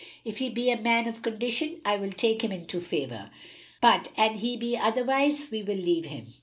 If he be a man of condition, we will take him into favour; but an he be otherwise we will leave him."